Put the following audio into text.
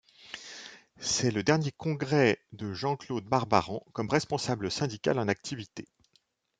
C'est le dernier congrès de Jean-Claude Barbarant comme responsable syndical en activité.